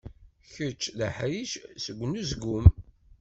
Kečč d aḥric seg unezgum.